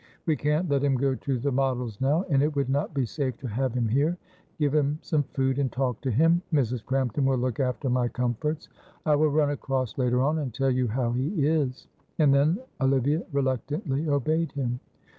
We can't let him go to the Models now, and it would not be safe to have him here. Give him some food and talk to him. Mrs. Crampton will look after my comforts. I will run across later on and tell you how he is." And then Olivia reluctantly obeyed him.